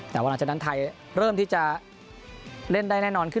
แต่ว่าหลังจากนั้นไทยเริ่มที่จะเล่นได้แน่นอนขึ้น